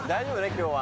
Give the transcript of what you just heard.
今日は。